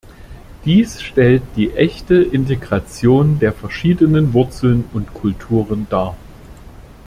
Dies stellt die echte Integration der verschiedenen Wurzeln und Kulturen dar.